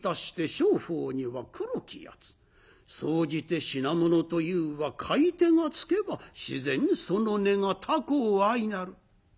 総じて品物というは買い手がつけば自然にその値が高う相成る」。